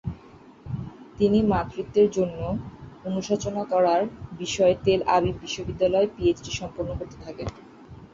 তিনি মাতৃত্বের জন্য অনুশোচনা করার বিষয়ে তেল আবিব বিশ্ববিদ্যালয়ে পিএইচডি সম্পন্ন করতে থাকেন।